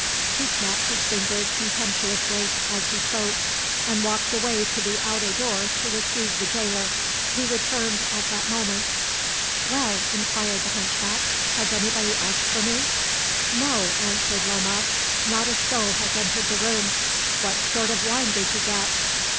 He snapped his fingers contemptuously as he spoke, and walked away to the outer door to receive the jailer, who returned at that moment. "Well," inquired the hunchback, "has anybody asked for me?" "No," answered Lomaque; "not a soul has entered the room. What sort of wine did you get?"